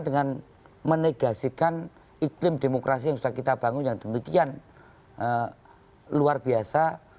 dengan menegasikan iklim demokrasi yang sudah kita bangun yang demikian luar biasa